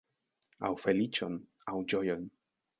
Aŭ feliĉon, aŭ ĝojon.